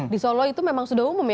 di solo itu memang sudah umum ya